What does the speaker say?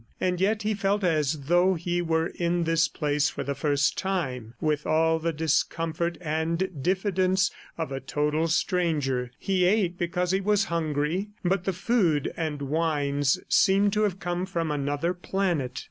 ... And yet he felt as though he were in this place for the first time, with all the discomfort and diffidence of a total stranger. He ate because he was hungry, but the food and wines seemed to have come from another planet.